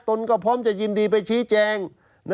นก็พร้อมจะยินดีไปชี้แจง